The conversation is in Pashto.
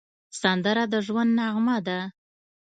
سندره د ژوند نغمه ده